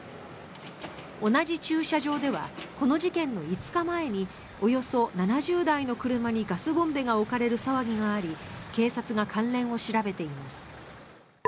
同じ駐車場ではこの事件の５日前におよそ７０台の車にガスボンベが置かれる騒ぎがあり警察が関連を調べています。